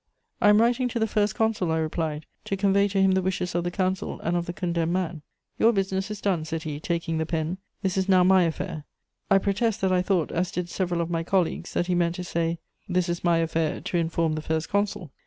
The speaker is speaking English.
"'I am writing to the First Consul,' I replied, 'to convey to him the wishes of the council and of the condemned man.' "'Your business is done,' said he, taking the pen; 'this is now my affair.' "I protest that I thought, as did several of my colleagues, that he meant to say, 'This is my affair, to inform the First Consul.'